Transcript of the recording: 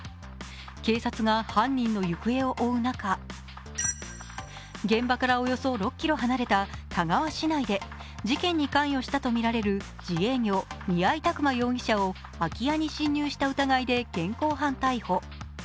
警察が犯人の行方を追う中、現場からおよそ６ｋｍ離れた田川市内で事件に関与したとみられる自営業・宮井拓馬容疑者を空き家に侵入した疑いで現行犯逮捕。